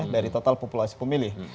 dari total populasi pemilih